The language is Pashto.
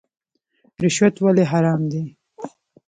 رشوت ولې حرام دی؟